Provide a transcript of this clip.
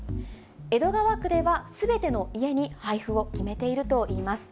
江戸川区ではすべての家に配布を決めているといいます。